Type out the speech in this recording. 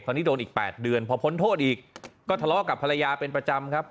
ตอนนี้โดนอีก๘เดือนพอพ้นโทษอีกก็ทะเลาะกับภรรยาเป็นประจำครับ